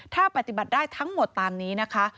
ถ้าปฏิบัติได้ทั้งหมดตามนี้นะคะ